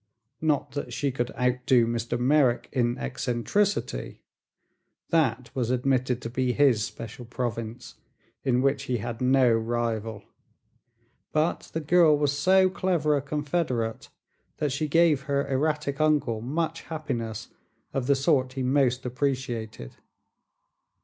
Not that she could outdo Mr. Merrick in eccentricity: that was admitted to be his special province, in which he had no rival; but the girl was so clever a confederate that she gave her erratic uncle much happiness of the sort he most appreciated.